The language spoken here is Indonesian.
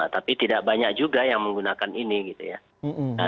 tapi tidak banyak juga yang menggunakan ini gitu ya